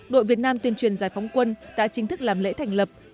đội việt nam tuyên truyền giải phóng quân đã chính thức làm lễ thành lập